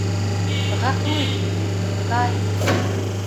Ғәфү ит мине, Кай.